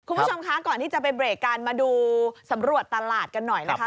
คุณผู้ชมคะก่อนที่จะไปเบรกกันมาดูสำรวจตลาดกันหน่อยนะคะ